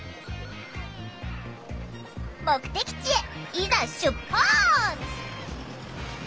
目的地へいざ出発！